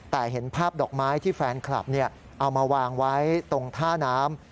แต่เห็นภาพดอกไม้ที่แฟนคลับเอามาวางไว้ตรงท่าน้ำ